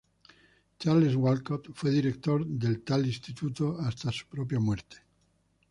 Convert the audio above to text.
Charles Walcott fue director de tal instituto hasta su propia muerte.